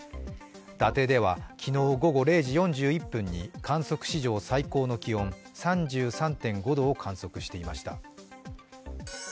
伊達では昨日午後０時４１分に観測史上最高の気温３３．５度を観測していました。